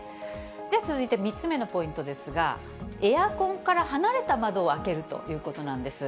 続いて３つ目のポイントですが、エアコンから離れた窓を開けるということなんです。